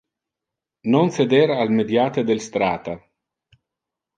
Non ceder al mediate del strata.